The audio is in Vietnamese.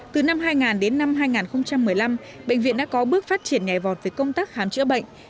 từ năm hai nghìn đến năm hai nghìn một mươi năm bệnh viện đã có bước phát triển nhà vọt về công tác khám chữa bệnh